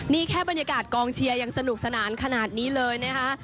นี่แค่บรรยากาศกองเชียร์ยังสนุกสนานขนาดนี้เลยนะคะ